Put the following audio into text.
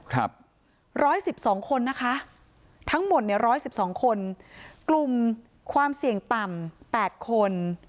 ๑๑๒คนนะคะทั้งหมด๑๑๒คนกลุ่มความเสี่ยงต่ำ๘คน